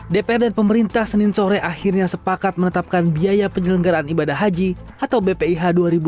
dpr dan pemerintah senin sore akhirnya sepakat menetapkan biaya penyelenggaraan ibadah haji atau bpih dua ribu dua puluh